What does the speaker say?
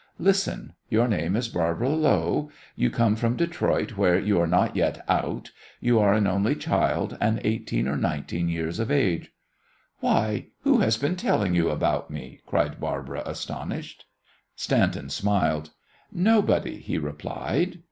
Listen: Your name is Barbara Lowe; you come from Detroit, where you are not yet 'out'; you are an only child; and eighteen or nineteen years of age." "Why, who has been telling you about me?" cried Barbara, astonished. Stanton smiled. "Nobody," he replied.